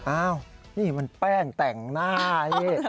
อ้าวนี่มันแป้งแต่งหน้านี่